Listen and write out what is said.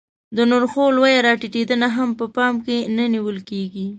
د نرخو لویه راټیټېدنه هم په پام کې نه نیول کېږي